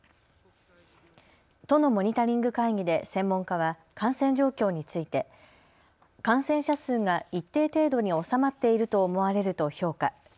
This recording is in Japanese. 都のモニタリング会議で専門家は感染状況について感染者数が一定程度に収まっていると思われると評価。